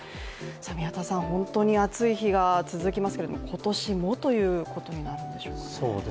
宮田さん、本当に暑い日が続きますけど「今年も」ということになるんでしょうか？